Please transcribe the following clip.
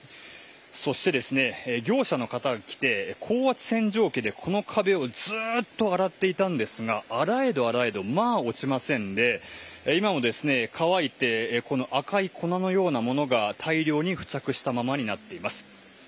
そして、業者の方が来て高圧洗浄機でこの壁をずっと洗っていたんですが洗えど洗えどまあ落ちませんで今も乾いて赤い粉のようなものが大量に付着したままになっています。